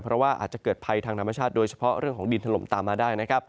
เพราะว่าอาจจะเกิดภัยทางธรรมชาติโดยเฉพาะเรื่องของดินถล่มตามมาได้นะครับ